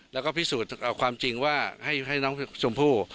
แล้วก็พิสูจน์ความจริงว่าให้น้องชมพู่